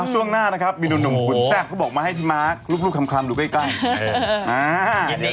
ช่วงหน้านะครับผีนุ่มพี่โบนแซ่งเค้าบอกมาให้ม้ารูปคลำหลุ้วใกล้